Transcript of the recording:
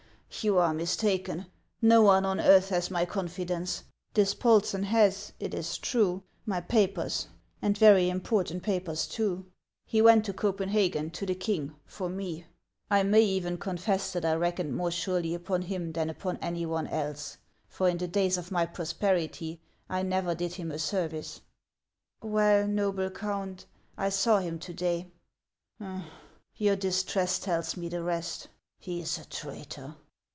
" You are mistaken. No one on earth has my confidence. Dis polsen has, it is true, my papers, and very important papers too. He went to Copenhagen, to the king, for me. 1 may even confess that I reckoned more surely upon him than upon any one else, for in the days of my prosperity I never did him a service." " Well, noble Count, I saw him to day —"'•' Your distress tells me the rest ; he is a traitor."